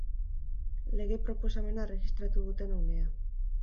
Lege-proposamena erregistratu duten unea.